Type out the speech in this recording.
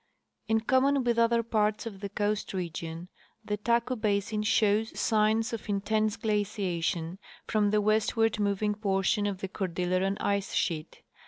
In common with other jiarts of the coast region, the Taku basin shoAVS signs of intense glaciation from the westward moving portion of the Cordilleran ice sheet.